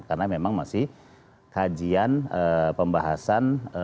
karena memang masih kajian pembahasan